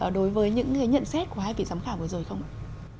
đối với những nhận xét của hai vị giám khảo vừa rồi không ạ